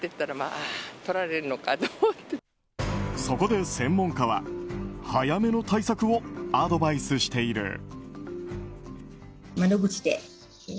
そこで専門家は早めの対策をアドバイスしている。